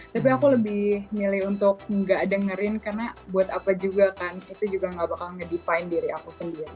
tapi aku lebih milih untuk nggak dengerin karena buat apa juga kan itu juga gak bakal nge define diri aku sendiri